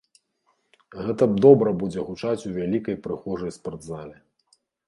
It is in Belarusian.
Гэта добра будзе гучаць у вялікай прыгожай спартзале.